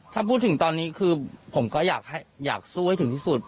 ถ้าพูดถึงตอนนี้คือผมก็อยากสู้ให้ถึงที่สุด